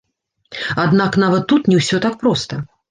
Аднак нават тут не ўсё так проста.